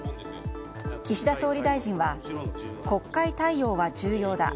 岸田総理大臣は国会対応は重要だ。